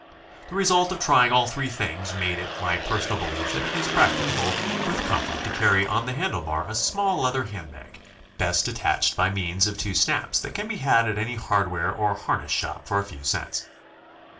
The result of trying all three things made it my personal belief that it is practicable with comfort to carry on the handle bar a small leather hand bag, best attached by means of two snaps that can be had at any hardware or har ness shop for a few cents.